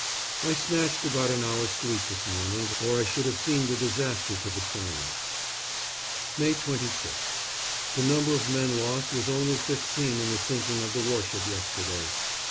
I snatched about an hour's sleep this morning, or I should have seen the disaster to the Triumph.... May 26th. The number of men lost was only fifteen in the sinking of the warship yesterday....